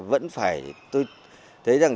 vẫn phải tôi thấy rằng